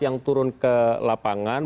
yang turun ke lapangan